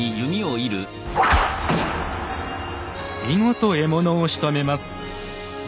見事獲物をしとめます。